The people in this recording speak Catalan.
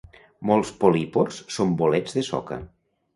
Molts polípors són bolets de soca.